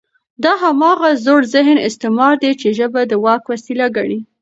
دا هماغه زوړ ذهني استعمار دی، چې ژبه د واک وسیله ګڼي